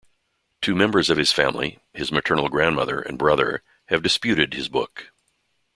Two members of his family, his maternal grandmother and brother, have disputed his book.